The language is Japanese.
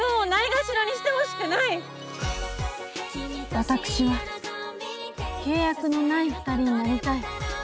私は契約のない二人になりたい。